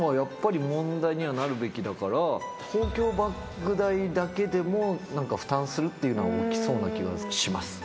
豊胸バッグ代だけでも負担するっていうのが起きそうな気がします。